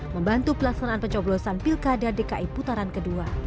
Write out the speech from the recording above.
membantu pelaksanaan pencoblosan pilkada dki putaran ke dua